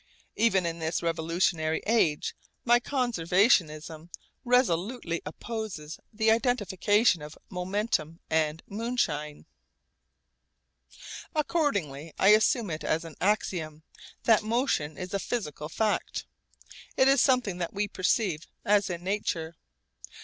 Even in this revolutionary age my conservatism resolutely opposes the identification of momentum and moonshine. Accordingly I assume it as an axiom, that motion is a physical fact. It is something that we perceive as in nature.